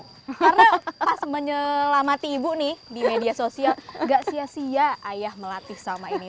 karena pas menyelamati ibu nih di media sosial gak sia sia ayah melatih sama ini